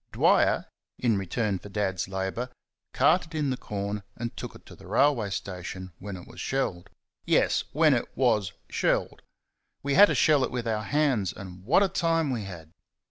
Dwyer, in return for Dad's labour, carted in the corn and took it to the railway station when it was shelled. Yes, when it WAS shelled! We had to shell it with our hands, and what a time we had!